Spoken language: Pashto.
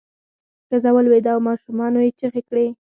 ښځه ولویده او ماشومانو یې چغې کړې.